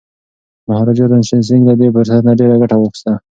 مهاراجا رنجیت سنګ له دې فرصت نه ډیره ګټه واخیسته.